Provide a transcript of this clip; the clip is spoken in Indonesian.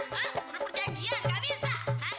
budu perjanjian gak bisa